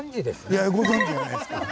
いやご存じじゃないですけど。